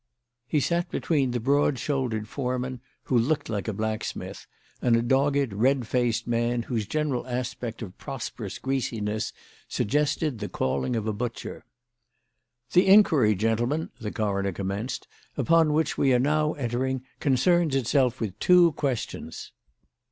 He sat between the broad shouldered foreman, who looked like a blacksmith, and a dogged, red faced man whose general aspect of prosperous greasiness suggested the calling of a butcher. "The inquiry, gentlemen," the coroner commenced, "upon which we are now entering concerns itself with two questions.